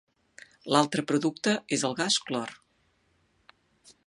L'altre producte és el gas clor.